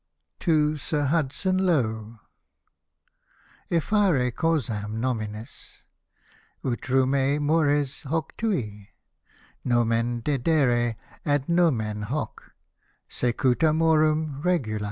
TO SIR HUDSON LOWE Effare causam nominis, Utiuniue mores hoc tui Nomen dedere, an nomen hoc Secuta moruiii regula.